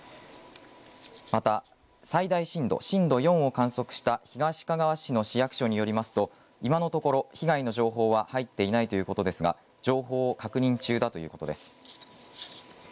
また、最大震度、震度４を観測した東かがわ市の市役所によりますと今のところ被害の情報は入っていないということですが、情報を確認中だということです。